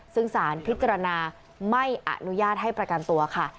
ซึ่งสารพิจารณาไม่อนุญาตให้ประกันตัวค่ะ